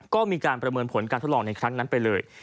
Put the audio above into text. ก็มีการประเมินผลการทดลองในครั้งนั้นไปเลย